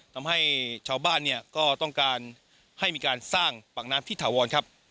ทำให้ชาวบ้านเนี่ยก็ต้องการให้มีการสร้างปากน้ำที่ถาวรครับ